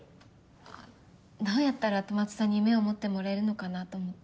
あっどうやったら戸松さんに夢を持ってもらえるのかなと思って。